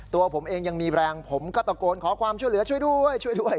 ตัวผมเองยังมีแรงผมก็ตะโกนขอความช่วยเหลือช่วยด้วยช่วยด้วย